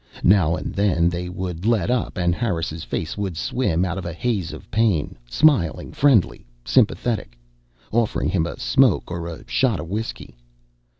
Now and then they would let up and Harris' face would swim out of a haze of pain, smiling, friendly, sympathetic, offering him a smoke or a shot of whiskey.